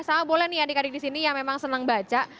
sama boleh nih adik adik di sini yang memang senang baca